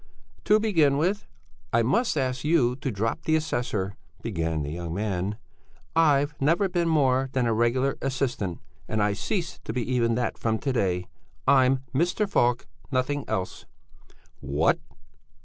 "To begin with, I must ask you to drop the 'assessor,'" began the young man. "I've never been more than a regular assistant, and I cease to be even that from to day; I'm Mr. Falk, nothing else." "What?"